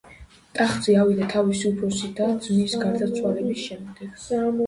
ტახტზე ავიდა თავისი უფროსი და-ძმის გარდაცვალების შემდეგ.